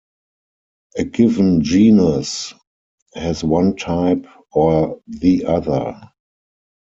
A given genus has one type or the other.